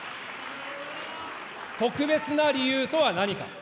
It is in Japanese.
特別な理由とは何か。